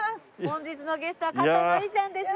本日のゲストは加藤のりちゃんです。